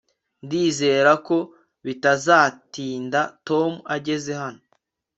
ndizera ko bitazatinda tom ageze hano